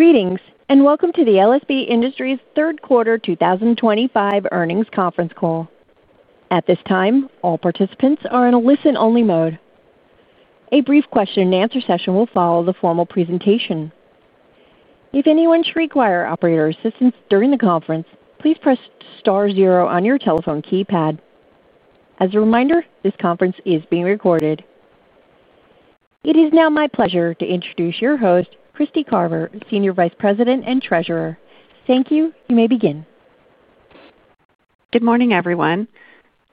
Greetings and welcome to the LSB Industries' Third Quarter 2025 Earnings Conference Call. At this time, all participants are in a listen-only mode. A brief question and answer session will follow the formal presentation. If anyone should require operator assistance during the conference, please press Star 0 on your telephone keypad. As a reminder, this conference is being recorded. It is now my pleasure to introduce your host, Kristy Carver, Senior Vice President and Treasurer. Thank you. You may begin. Good morning everyone.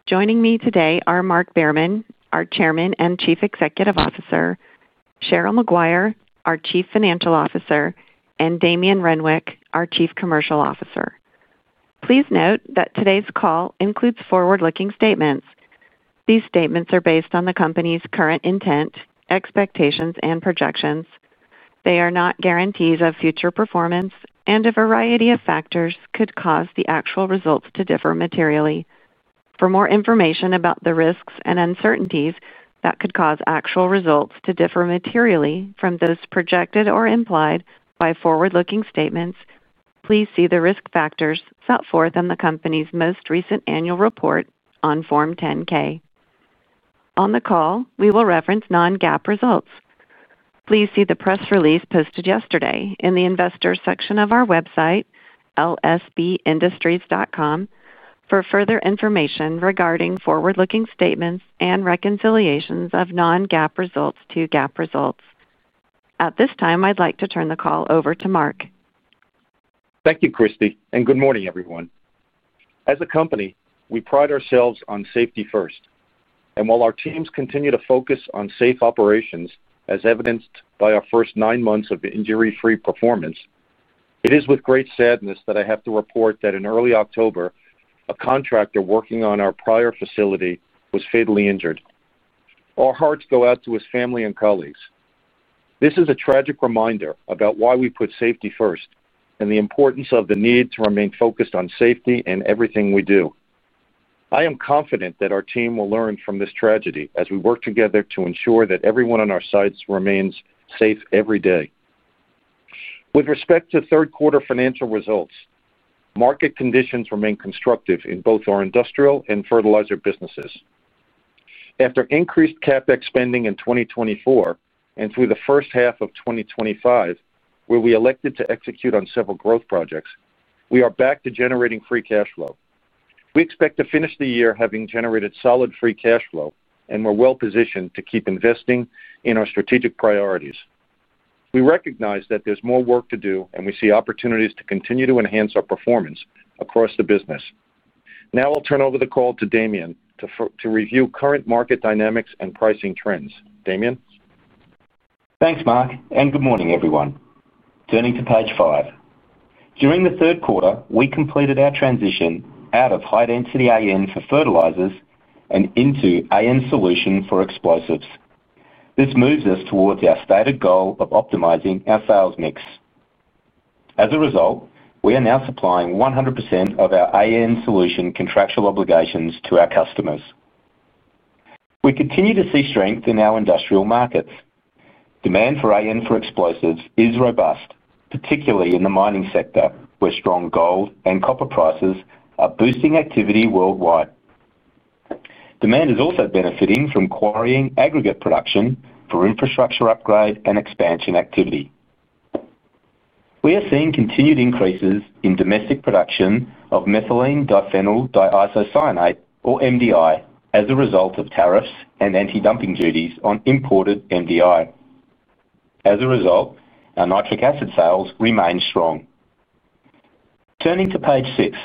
Joining me today are Mark Behrman, our Chairman and Chief Executive Officer, Cheryl Maguire, our Chief Financial Officer, and Damian Renwick, our Chief Commercial Officer. Please note that today's call includes forward-looking statements. These statements are based on the company's current intent, expectations, and projections. They are not guarantees of future performance and a variety of factors could cause the actual results to differ materially. For more information about the risks and uncertainties that could cause actual results to differ materially from those projected or implied by forward-looking statements, please see the risk factors set forth in the company's most recent annual report on Form 10-K. On the call, we will reference non-GAAP results. Please see the press release posted yesterday in the Investors section of our website lsbindustries.com for further information regarding forward-looking statements and reconciliations of non-GAAP results to GAAP results. At this time, I'd like to turn the call over to Mark. Thank you, Kristy, and good morning, everyone. As a company, we pride ourselves on safety first, and while our teams continue to focus on safe operations as evidenced by our first nine months of injury-free performance, it is with great sadness that I have to report that in early October a contractor working on our prior facility was fatally injured. Our hearts go out to his family and colleagues. This is a tragic reminder about why we put safety first and the importance of the need to remain focused on safety in everything we do. I am confident that our team will learn from this tragedy as we work together to ensure that everyone on our sites remains safe every day. With respect to third quarter financial results, market conditions remain constructive in both our industrial and fertilizer businesses. After increased CapEx spending in 2024 and through the first half of 2025, where we elected to execute on several growth projects, we are back to generating free cash flow. We expect to finish the year having generated solid free cash flow, and we're well positioned to keep investing in our strategic priorities. We recognize that there's more work to do, and we see opportunities to continue to enhance our performance across the business. Now I'll turn over the call to Damian to review current market dynamics and pricing trends. Damien? Thanks Mark, and good morning everyone. Turning to page five, during the third quarter we completed our transition out of high-density AN for fertilizers and into AN solution for explosives. This moves us towards our stated goal of optimizing our sales mix. As a result, we are now supplying 100% of our AN solution contractual obligations to our customers. We continue to see strength in our industrial markets. Demand for AN for explosives is robust, particularly in the mining sector where strong gold and copper prices are boosting activity worldwide. Demand is also benefiting from quarrying aggregate production for infrastructure upgrade and expansion activity. We are seeing continued increases in domestic production of methylenediphenyl diisocyanate, or MDI, as a result of tariffs and anti-dumping duties on imported MDI. As a result, our nitric acid sales remained strong. Turning to page six,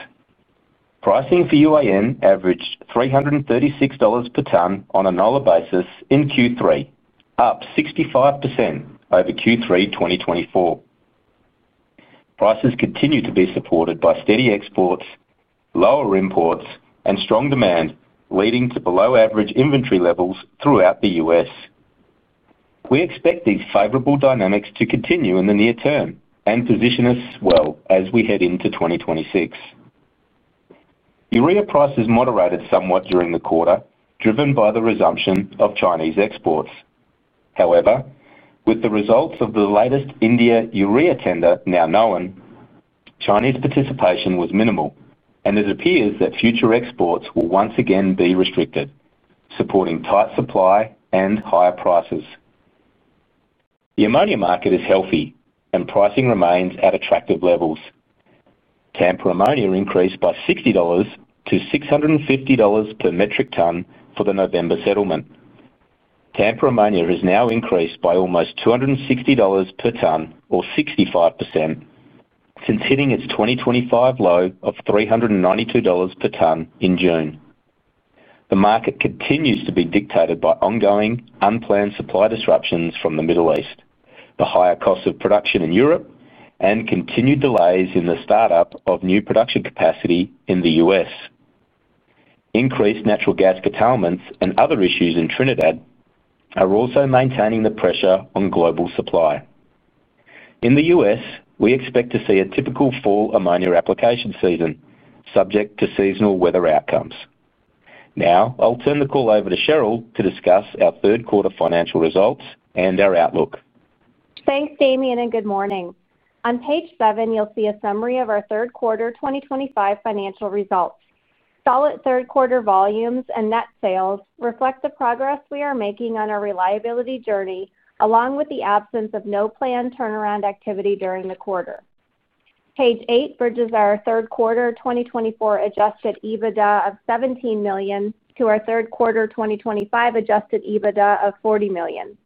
pricing for UAN averaged $336 per ton on a NOLA basis in Q3, up 65% over Q3 2024. Prices continue to be supported by steady exports, lower imports, and strong demand, leading to below average inventory levels throughout the U.S. We expect these favorable dynamics to continue in the near term and position us well as we head into 2026. Urea prices moderated somewhat during the quarter, driven by the resumption of Chinese exports. However, with the results of the latest India urea tender now known, Chinese participation was minimal, and it appears that future exports will once again be restricted, supporting tight supply and higher prices. The ammonia market is healthy and pricing remains at attractive levels. Tampa ammonia increased by $60 to $650 per metric ton for the November settlement. Tampa ammonia has now increased by almost $260 per ton, or 65%, since hitting its 2025 low of $392 per ton in June. The market continues to be dictated by ongoing unplanned supply disruptions from the Middle East, the higher cost of production in Europe, and continued delays in the startup of new production capacity in the U.S. Increased natural gas curtailments and other issues in Trinidad are also maintaining the pressure on global supply. In the U.S., we expect to see a typical fall ammonia application season, subject to seasonal weather outcomes. Now I'll turn the call over to Cheryl to discuss our third quarter financial results and our outlook. Thanks Damian and good morning. On page seven you'll see a summary of our third quarter 2025 financial results. Solid third quarter volumes and net sales reflect the progress we are making on our reliability journey along with the absence of planned turnaround activity during the quarter. Page eight bridges our third quarter 2024 adjusted EBITDA of $17 million to our third quarter 2025 adjusted EBITDA of $40 million.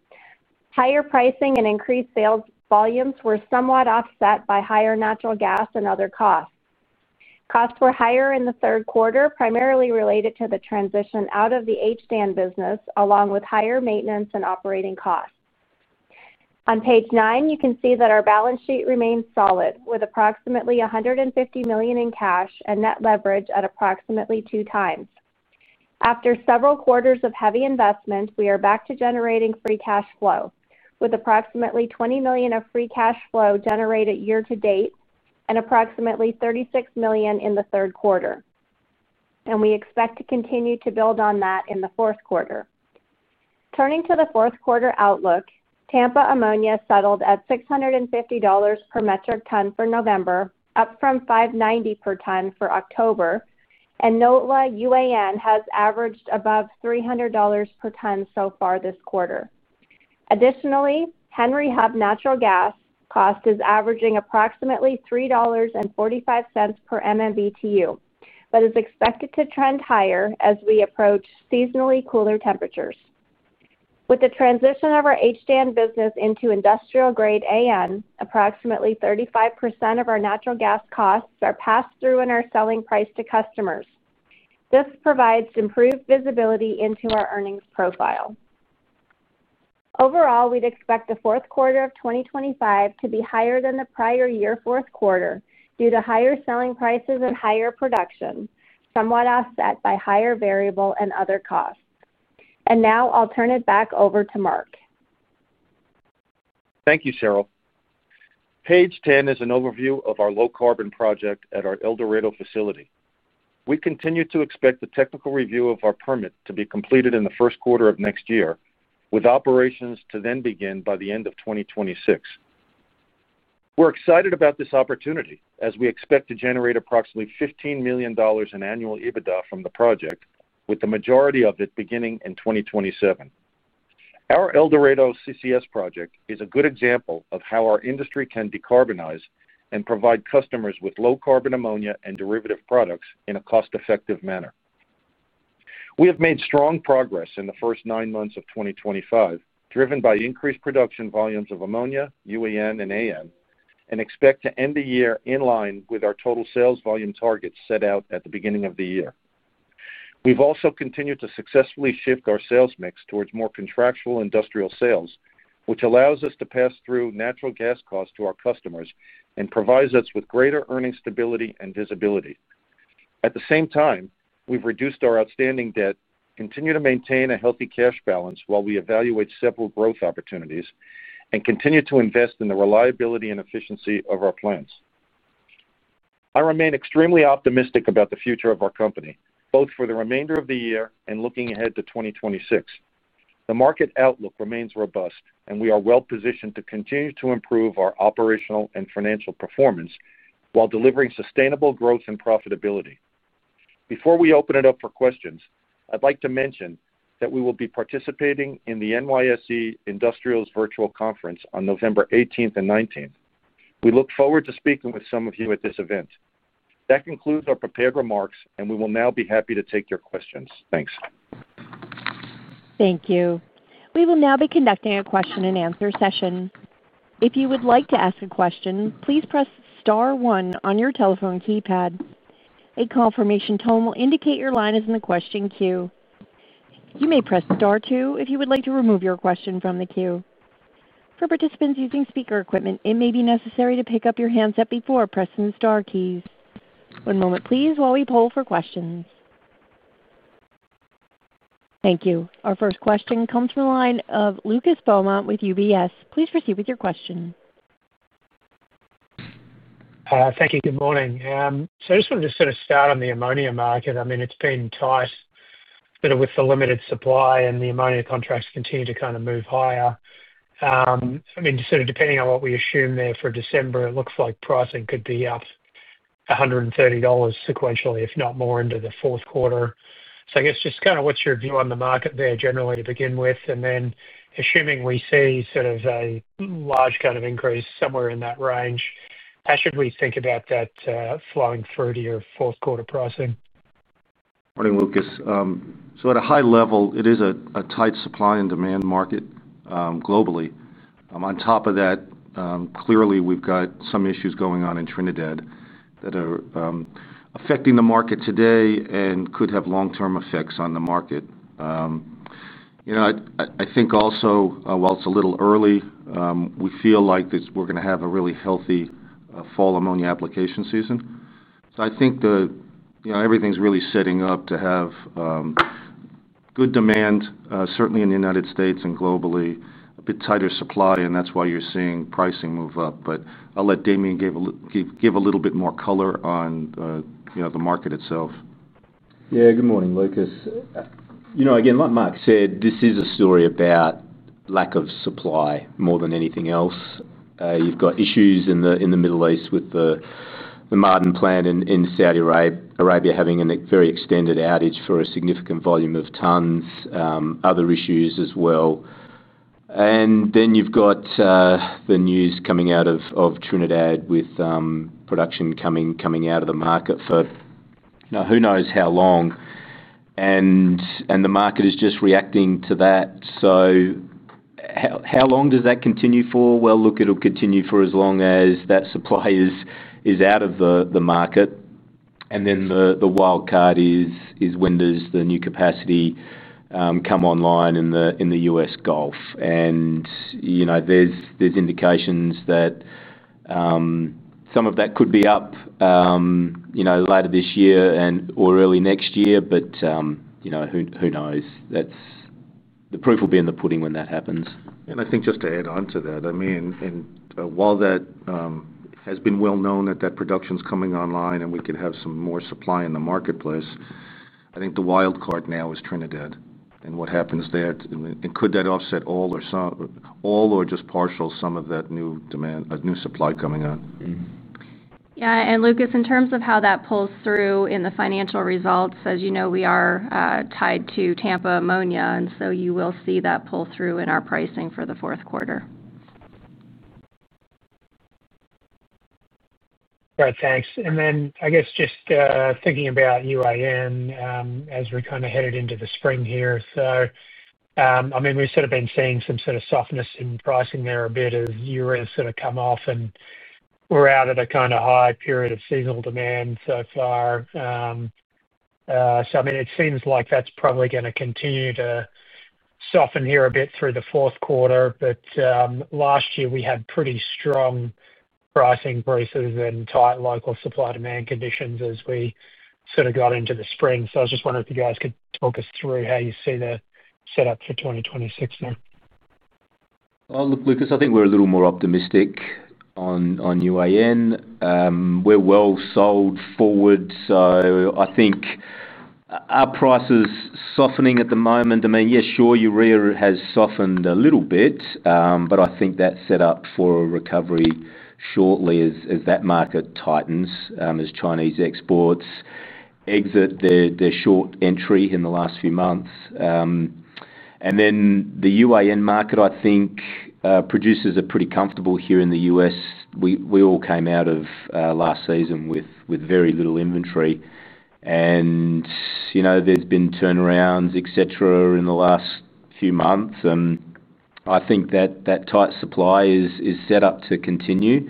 Higher pricing and increased sales volumes were somewhat offset by higher natural gas and other costs. Costs were higher in the third quarter, primarily related to the transition out of the HDAN business along with higher maintenance and operating costs. On page nine you can see that our balance sheet remains solid with approximately $150 million in cash and net leverage at approximately 2x. After several quarters of heavy investment, we are back to generating free cash flow with approximately $20 million of free cash flow generated year-to-date and approximately $36 million in the third quarter, and we expect to continue to build on that in the fourth quarter. Turning to the fourth quarter outlook, Tampa ammonia settled at $650 per metric ton for November, up from $590 per ton for October, and NOLA UAN has averaged above $300 per ton so far this quarter. Additionally, Henry Hub natural gas cost is averaging approximately $3.45 per MMBtu, but is expected to trend higher as we approach seasonally cooler temperatures. With the transition of our HDAN business into industrial grade, approximately 35% of our natural gas costs are passed through in our selling price to customers. This provides improved visibility into our earnings profile. Overall, we'd expect the fourth quarter of 2025 to be higher than the prior year fourth quarter due to higher selling prices and higher production, somewhat offset by higher variable and other costs. Now I'll turn it back over to Mark. Thank you, Cheryl. Page 10 is an overview of our low-carbon project at our El Dorado facility. We continue to expect the technical review of our permit to be completed in the first quarter of next year, with operations to then begin by the end of 2026. We're excited about this opportunity as we expect to generate approximately $15 million in annual EBITDA from the project, with the majority of it beginning in 2027. Our El Dorado CCS injection project is a good example of how our industry can decarbonize and provide customers with low-carbon ammonia and derivative products in a cost-effective manner. We have made strong progress in the first nine months of 2025, driven by increased production volumes of ammonia, UAN, and AN, and expect to end the year in line with our total sales volume targets set out at the beginning of the year. We've also continued to successfully shift our sales mix towards more contractual industrial sales, which allows us to pass through natural gas costs to our customers and provides us with greater earnings stability and visibility. At the same time, we've reduced our outstanding debt and continue to maintain a healthy cash balance while we evaluate several growth opportunities and continue to invest in the reliability and efficiency of our plants. I remain extremely optimistic about the future of our company, both for the remainder of the year and looking ahead to 2026. The market outlook remains robust, and we are well positioned to continue to improve our operational and financial performance while delivering sustainable growth and profitability. Before we open it up for questions, I'd like to mention that we will be participating in the NYSE Industrials virtual conference on November 18th and 19th. We look forward to speaking with some of you at this event. That concludes our prepared remarks, and we will now be happy to take your questions. Thanks. Thank you. We will now be conducting a question and answer session. If you would like to ask a question, please press Star one on your telephone keypad. A confirmation tone will indicate your line is in the question queue. You may press Star two if you would like to remove your question from the queue. For participants using speaker equipment, it may be necessary to pick up your handset before pressing the star keys. One moment, please, while we poll for questions. Thank you. Our first question comes from the line of Lucas Beaumont with UBS. Please proceed with your question. Thank you. Good morning. I just wanted to sort of start on the ammonia market. It's been tight with the limited supply, and the ammonia contracts continue to kind of move higher. Sort of depending on what we assume there for December, it looks like pricing could be up $130 sequentially, if not more, into the fourth quarter. I guess just kind of what's your view on the market there generally to begin with? Then, assuming we see sort of a large kind of increase somewhere in that range, how should we think about that flowing through to your fourth quarter pricing? Morning, Lucas. At a high level, it is a tight supply and demand market globally. On top of that, clearly we've got some issues going on in Trinidad that are affecting the market today and could have long term effects on the market. I think also while it's a little early, we feel like we're going to have a really healthy fall ammonia application season. I think everything's really setting up to have good demand, certainly in the United States and globally, a bit tighter supply. That's why you're seeing pricing move up. I'll let Damian give a little bit more color on the market itself. Yeah, good morning, Lucas. You know, again, like Mark said, this is a story about lack of supply more than anything else. You've got issues in the Middle East with the Martin plant in Saudi Arabia having a very extended outage for a significant volume of tons. Other issues as well. You've got the news coming out of Trinidad with production coming out of the market for who knows how long, and the market is just reacting to that. How long does that continue for? It'll continue for as long as that supply is out of the market. The wildcard is when does the new capacity come online in the U.S. Gulf? You know, there's indications that some of that could be up later this year or early next year. You know, who knows? The proof will be in the pudding when that happens. I think just to add on to that, while that has been well known that that production's coming online and we could have some more supply in the marketplace, the wild card now is Trinidad and what happens there. Could that offset all or just partial some of that new demand, new supply coming on? Yeah. Lucas, in terms of how that pulls through in the financial results, as you know, we are tied to Tampa ammonia, and you will see that pull through in our pricing for the fourth quarter. Great, thanks. I guess just thinking about UAN as we kind of headed into the spring here. We've sort of been seeing some sort of softness in pricing there a bit as euros sort of come off and we're out at a kind of high period of seasonal demand so far. It seems like that's probably going to continue to soften here a bit through the fourth quarter. Last year we had pretty strong price increases and tight local supply demand conditions as we sort of got into the spring. I was just wondering if you guys could talk us through how you see the setup for 2026 now. Look, Lucas, I think we're a little more optimistic on UAN. We're well sold forward. I think, -- are prices softening at the moment? I mean, yeah, sure, urea has softened a little bit, but I think that's set up for a recovery shortly as that market tightens as Chinese exports exit their short entry in the last few months. The UAN market, I think producers are pretty comfortable here in the U.S. We all came out of last season with very little inventory, and, you know, there's been turnarounds, et cetera, in the last few months. I think that tight supply is set up to continue,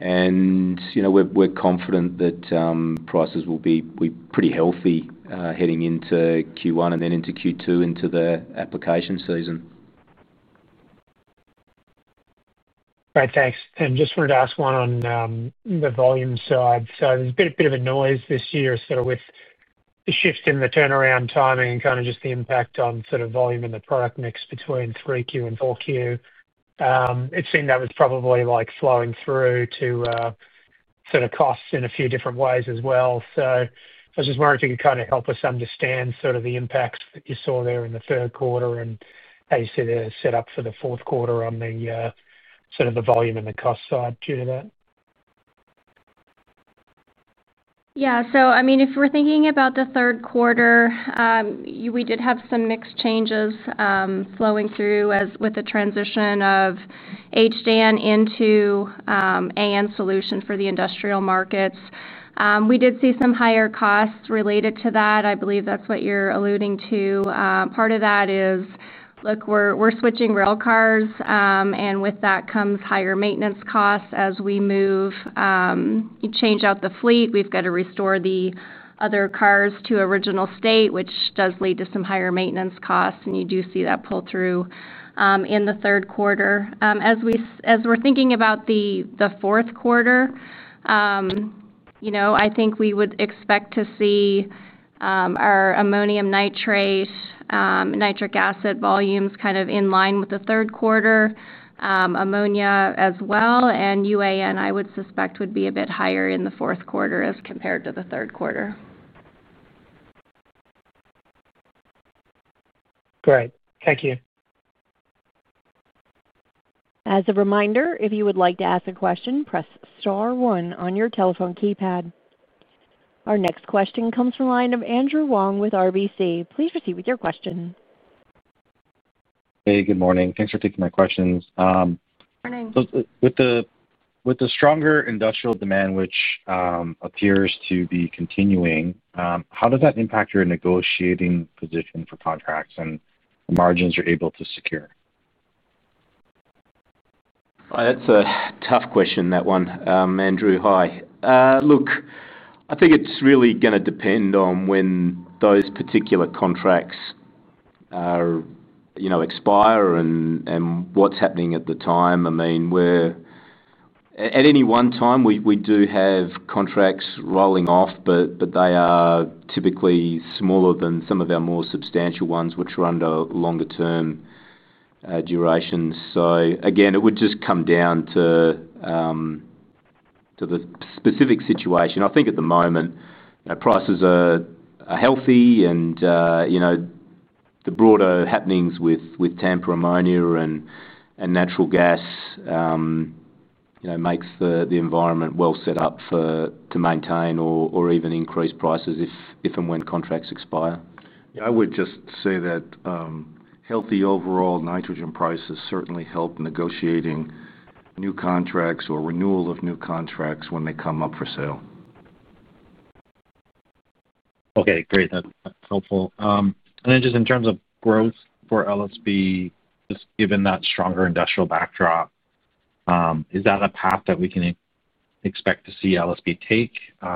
and we're confident that prices will be pretty healthy heading into Q1 and then into Q2 into the application season. Tim, just wanted to ask one on the volume side. There's been a bit of noise this year. With the shift in the turnaround timing and kind of just the impact on sort of volume in the product mix between 3Q and 4Q, it seemed that was probably like flowing through to sort of costs in a few different ways as well. I was just wondering if you could kind of help us understand sort of the impacts that you saw there in the third quarter and how you see the setup for the fourth quarter on the sort of the volume and the cost side due to that. Yeah. If we're thinking about the third quarter, we did have some mix changes flowing through with the transition of HDAN into AN solution for the industrial markets. We did see some higher costs related to that. I believe that's what you're alluding to. Part of that is, look, we're switching rail cars, and with that comes higher maintenance costs as we change out the fleet. We've got to restore the other cars to original state, which does lead to some higher maintenance costs. You do see that pull through in the third quarter. As we're thinking about the fourth quarter, I think we would expect to see our ammonium nitrate, nitric acid volumes kind of in line with the third quarter. Ammonia as well, and UAN, I would suspect, would be a bit higher in the fourth quarter as compared to the third quarter. Great, thank you. As a reminder, if you would like to ask a question, press star one on your telephone keypad. Our next question comes from the line of Andrew Wong with RBC Capital Markets. Please proceed with your question. Hey, good morning. Thanks for taking my questions. With the stronger industrial demand, which appears to be continuing, how does that impact your negotiating position for contracts and margins you're able to secure? That's a tough question, that one. Andrew, hi. Look, I think it's really going to depend on when those particular contracts expire and what's happening at the time. I mean, at any one time, we do have contracts rolling off, but they are typically smaller than some of our more substantial ones, which are under longer term durations. It would just come down to the specific situation. I think at the moment prices are healthy, and the broader happenings with Tampa ammonia and natural gas make the environment well set up to maintain or even increase prices if and when contracts expire. I would just say that healthy overall nitrogen prices certainly help negotiating new contracts or renewal of new contracts when they come up for sale. Okay, great, that's helpful. Just in terms of growth for LSB, given that stronger industrial backdrop, is that a path that we can expect to see LSB take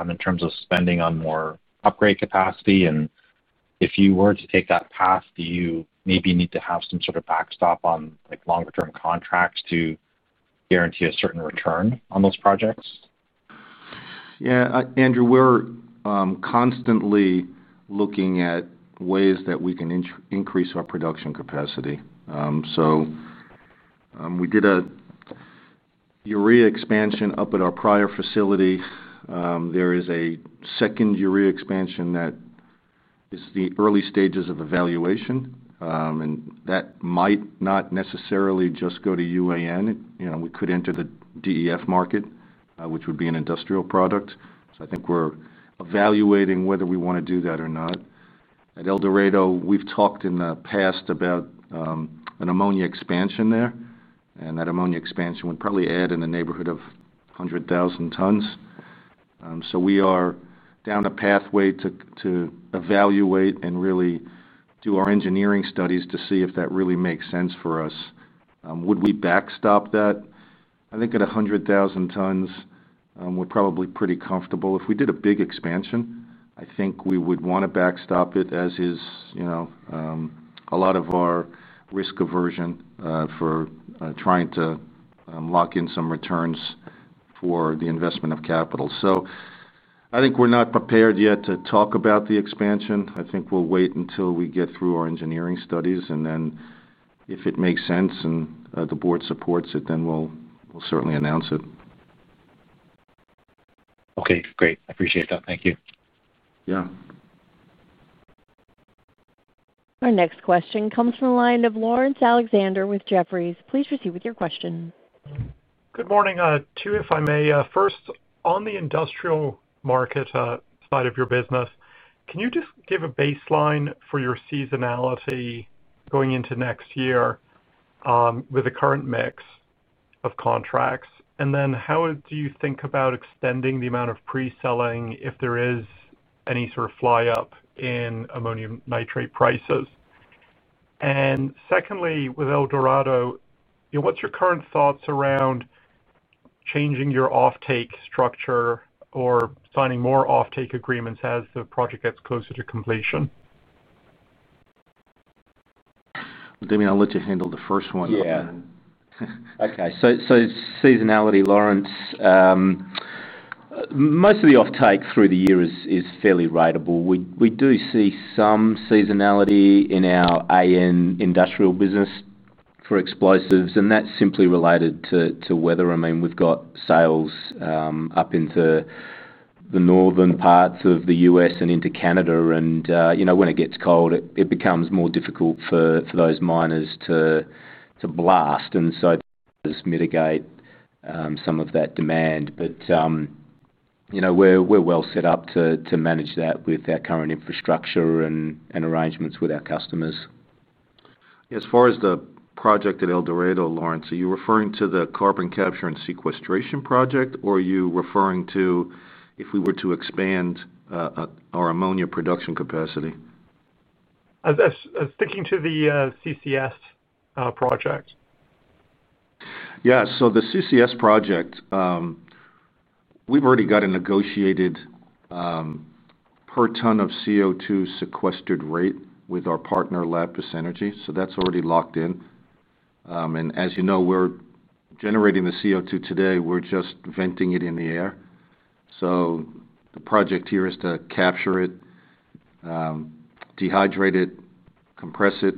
in terms of spending on more upgrade capacity? If you were to take that path, do you maybe need to have some sort of backstop on longer term contracts to guarantee a certain return on those projects? Yeah, Andrew, we're constantly looking at ways that we can increase our production capacity. We did a urea expansion up at our prior facility. There is a second urea expansion that is in the early stages of evaluation, and that might not necessarily just go to UAN. You know, we could enter the DEF market, which would be an industrial product. I think we're evaluating whether we want to do that or not. At El Dorado, we've talked in the past about an ammonia expansion there, and that ammonia expansion would probably add in the neighborhood of 100,000 tons. We are down a pathway to evaluate and really do our engineering studies to see if that really makes sense for us. Would we backstop that? I think at 100,000 tons, we're probably pretty comfortable. If we did a big expansion, I think we would want to backstop it, as is a lot of our risk aversion for trying to lock in some returns for the investment of capital. I think we're not prepared yet to talk about the expansion. We'll wait until we get through our engineering studies, and if it makes sense and the board supports it, then we'll certainly announce it. Okay, great. I appreciate that. Thank you. Yeah. Our next question comes from the line of Laurence Alexander with Jefferies. Please proceed with your question. Good morning. Two, if I may. First, on the industrial market side of your business, can you just give a baseline for your seasonality going into next year with the current mix of contracts? How do you think about extending the amount of pre selling if there is any sort of fly up in ammonium nitrate prices? Secondly, with El Dorado, what's your current thoughts around changing your offtake structure or signing more offtake agreements as the project gets closer to completion? Damien, I'll let you handle the first one. Okay. Seasonality, Laurence, most of the offtake through the year is fairly ratable. We do see some seasonality in our industrial business for explosives, and that's simply related to weather. We've got sales up into the northern parts of the U.S. and into Canada, and when it gets cold, it becomes more difficult for those miners to blast and so mitigate some of that demand. We're well set up to manage that with our current infrastructure and arrangements with our customers. As far as the project at El Dorado, Laurence, are you referring to the carbon capture and sequestration project, or are you referring to if we were to expand our ammonia production capacity? Sticking to the CCS injection project? Yeah. The CCS project, we've already got a negotiated per ton of CO2 sequestered rate with our partner Lapis Energy. That's already locked in. As you know, we're generating the CO2 today. We're just venting it in the air. The project here is to capture it, dehydrate it, compress it,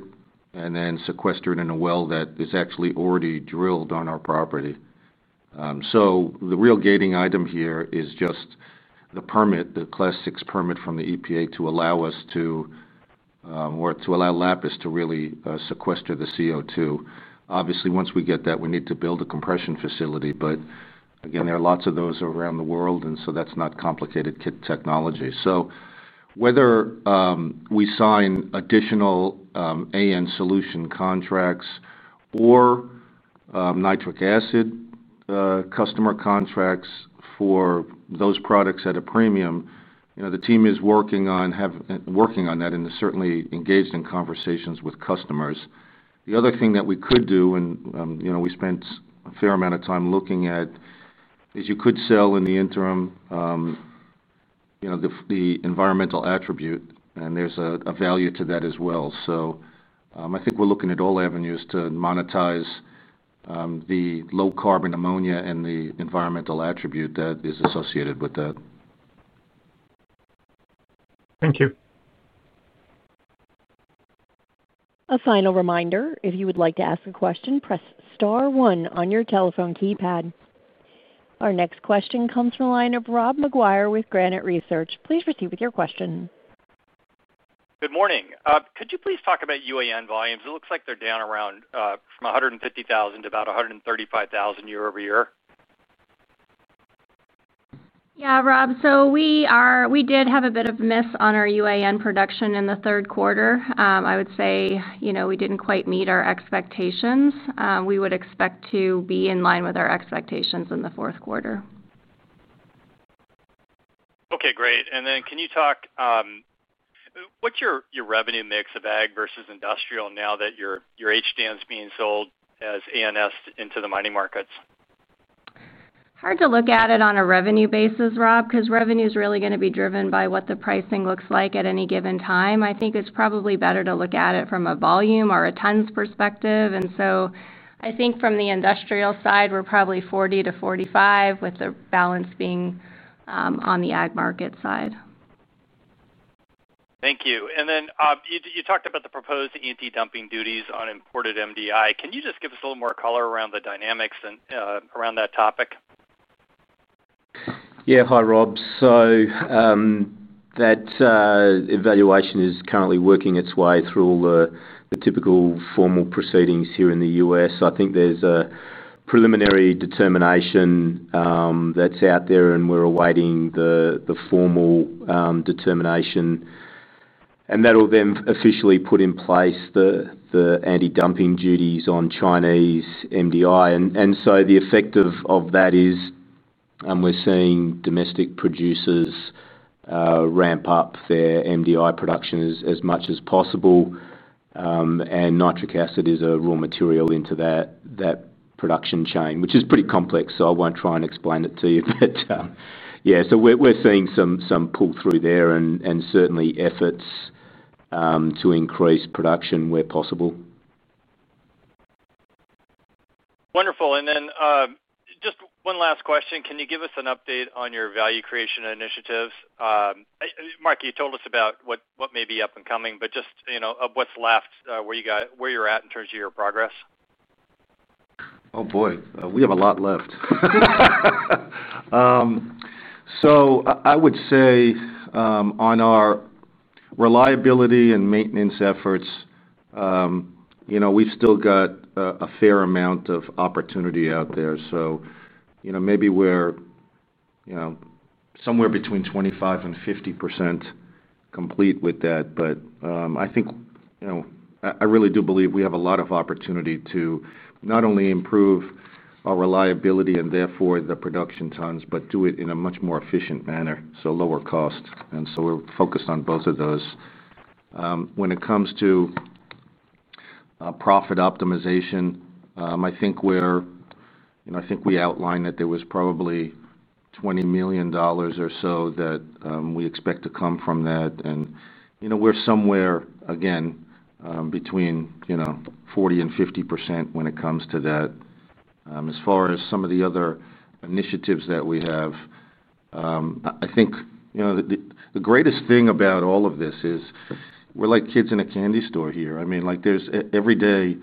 and then sequester it in a well that is actually already drilled on our property. The real gating item here is just the permit, the Class 6 permit from the EPA to allow us to, or to allow Lapis to, really sequester the CO2. Obviously, once we get that, we need to build a compression facility. There are lots of those around the world, and that's not complicated technology. Whether we sign additional AN solution contracts or nitric acid customer contracts for those products at a premium, the team is working on that and certainly engaged in conversations with customers. The other thing that we could do, and we spent a fair amount of time looking at, is you could sell in the interim the environmental attribute. There's a value to that as well. I think we're looking at all avenues to monetize the low-carbon ammonia and the environmental attribute that is associated with that. Thank you. A final reminder, if you would like to ask a question, press Star one on your telephone keypad. Our next question comes from the line of Robert McGuire with Granite Research. Please proceed with your question. Good morning. Could you please talk about UAN volumes? It looks like they're down from 150,000 to about 135,000 year over year. Yeah, Rob, we did have a bit of a miss on our UAN production in the third quarter. I would say we didn't quite meet our expectations. We would expect to be in line with our expectations in the fourth quarter. Okay, great. Can you talk, what's your revenue mix of Ag vs Industrial now that your HDAN is being sold as ANS into the mining markets? Hard to look at it on a revenue basis, Rob, because revenue is really going to be driven by what the pricing looks like at any given time. I think it's probably better to look at it from a volume or a tons perspective. I think from the industrial side, we're probably 40% to 45%, with the balance being on the ag market side. Thank you. You talked about the proposed anti-dumping duties on imported MDI. Can you give us a little more color around the dynamics around that topic? Yeah. Hi, Rob. That evaluation is currently working its way through all the typical formal proceedings here in the U.S. I think there's a preliminary determination that's out there, and we're awaiting the formal determination. That will then officially put in place the anti-dumping duties on Chinese MDI. The effect of that is we're seeing domestic producers ramp up their MDI production as much as possible, and nitric acid is a raw material into that production chain, which is pretty complex. I won't try and explain it to you, but we're seeing some pull through there and certainly efforts to increase production where possible. Wonderful. Just one last question. Can you give us an update on your value creation initiatives? Mark, you told us about what may be up and coming, but just what's left where you're at in terms of your progress? Oh boy, we have a lot left. I would say on our reliability and maintenance efforts, we've still got a fair amount of opportunity out there. Maybe we're somewhere between 25% and 50% complete with that. I really do believe we have a lot of opportunity to not only improve our reliability and therefore the production tons, but do it in a much more efficient manner, so lower cost. We're focused on both of those. When it comes to profit optimization, I think we outlined that there was probably $20 million or so that we expect to come from that, and we're somewhere again between 40% and 50% when it comes to that. As far as some of the other initiatives that we have, the greatest thing about all of this is we're like kids in a candy store here. Every day,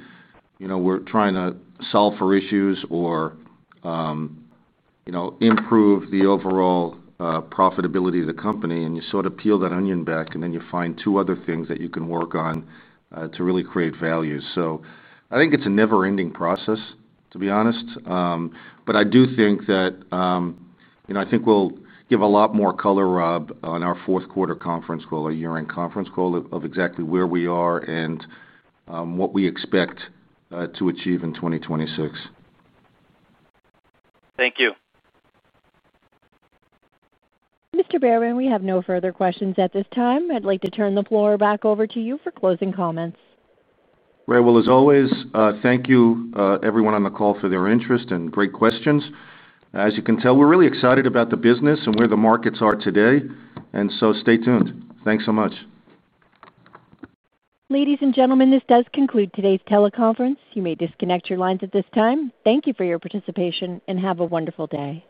we're trying to solve for issues or improve the overall profitability of the company, and you sort of peel that onion back and then you find two other things that you can work on to really create value. I think it's a never ending process, to be honest. I do think that we'll give a lot more color, Rob, on our fourth quarter conference call, our year end conference call of exactly where we are and what we expect to achieve in 2026. Thank you. We have no further questions at this time. I'd like to turn the floor back over to you for closing comments. Thank you everyone on. Thank you for their interest and great questions. As you can tell, we're really excited about the business and where the markets are today. Stay tuned. Thanks so much. Ladies and gentlemen, this does conclude today's teleconference. You may disconnect your lines at this time. Thank you for your participation and have a wonderful day.